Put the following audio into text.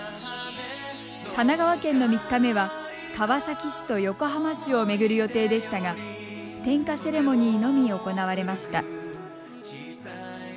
神奈川県の３日目は、川崎市と横浜市を巡る予定でしたが点火セレモニーのみ行われました。